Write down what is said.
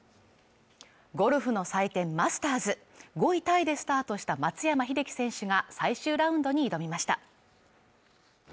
ゴルフの祭典マスターズ５位タイでスタートした松山英樹選手が最終ラウンドに挑みました。